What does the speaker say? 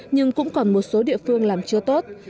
nhưng cũng còn một số địa phương làm chưa tốt